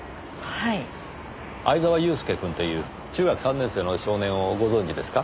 藍沢祐介くんという中学３年生の少年をご存じですか？